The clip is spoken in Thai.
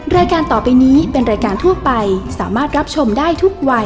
รายการต่อไปนี้เป็นรายการทั่วไปสามารถรับชมได้ทุกวัย